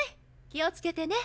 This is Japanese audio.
気をつけてね。